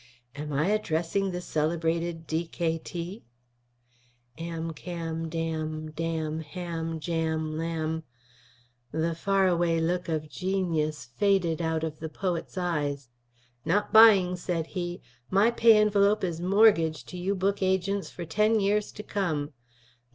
"Am I addressing the celebrated D.K.T.?" "Am, cam, dam, damn, ham, jam, lamb " The far away look of genius faded out of the poet's eyes. "Not buying," said he. "My pay envelope is mortgaged to you book agents for ten years to come.